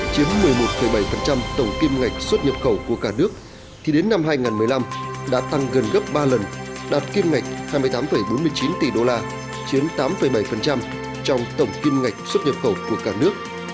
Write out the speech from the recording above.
chiếm một mươi một bảy tổng kim ngạch xuất nhập khẩu của cả nước thì đến năm hai nghìn một mươi năm đã tăng gần gấp ba lần đạt kim ngạch hai mươi tám bốn mươi chín tỷ đô la chiếm tám bảy trong tổng kim ngạch xuất nhập khẩu của cả nước